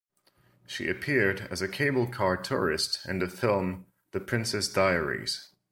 She appeared as a cable car tourist in the film "The Princess Diaries".